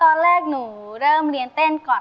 ถ้าพร้อมแล้วขอเชิญพบกับคุณลูกบาท